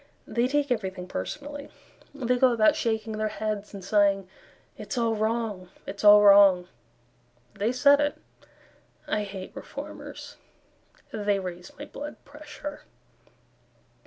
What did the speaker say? They take everything personally; They go about shaking their heads, And sighing, "It's all wrong, it's all wrong," They said it. I hate Reformers; They raise my blood pressure.